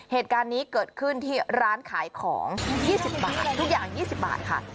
เหตุการณ์นี้เกิดขึ้นที่ร้านขายของ๒๐บาททุกอย่าง๒๐บาทค่ะ